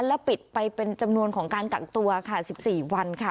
และปิดไปเป็นจำนวนของการกักตัวค่ะ๑๔วันค่ะ